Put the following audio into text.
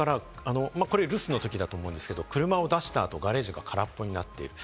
それから、これ留守のときだと思うんですけれども車を出した後、ガレージが空っぽになっている。